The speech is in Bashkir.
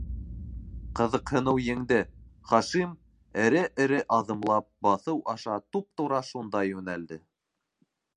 Ҡыҙыҡһыныу еңде - Хашим, эре-эре аҙымлап, баҫыу аша туп-тура шунда йүнәлде.